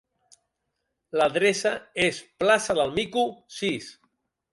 L'adreça és Plaça del Mico, sis.